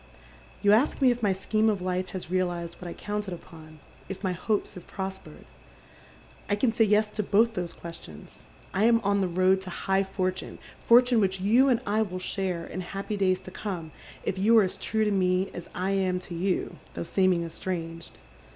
" You ask me if my scheme of life has realized what I counted upon, if my hopes have prospered. I can say yes to both those questions. I am on the road to high fortune, fortune which you and I will share in happy days to come if you are as true to me as I am to you, though seeming estranged.